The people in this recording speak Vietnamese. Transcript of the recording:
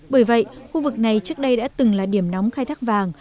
bởi vậy khu vực này trước đây đã từng là điểm nóng khai thác vàng